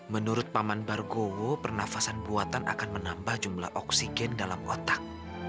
menurut paman bargowo pernafasan buatan akan menambah jumlah oksigen dalam otak